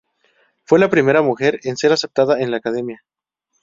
Fue la primera mujer en ser aceptada en la Academia.